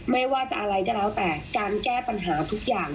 ไม่ว่าจะอะไรก็แล้วแต่การแก้ปัญหาทุกอย่าง